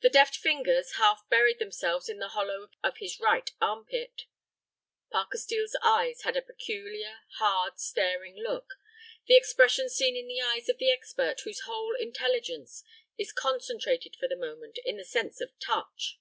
The deft fingers half buried themselves in the hollow of his right armpit. Parker Steel's eyes had a peculiar, hard, staring look, the expression seen in the eyes of the expert whose whole intelligence is concentrated for the moment in the sense of touch.